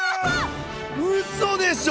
うそでしょ！